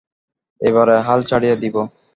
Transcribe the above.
এবারে হাল ছাড়িয়া দিব।